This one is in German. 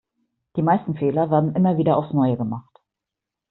Die meisten Fehler werden immer wieder aufs Neue gemacht.